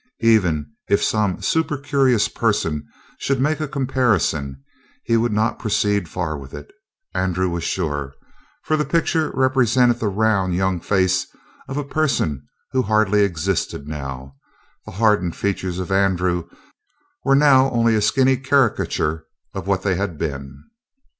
Even if some supercurious person should make a comparison, he would not proceed far with it, Andrew was sure, for the picture represented the round, young face of a person who hardly existed now; the hardened features of Andrew were now only a skinny caricature of what they had been.